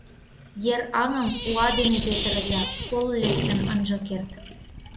— Ер аҥым уа дене петырыза, кол лектын ынже керт.